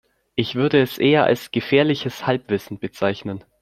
Ich würde es eher als gefährliches Halbwissen bezeichnen.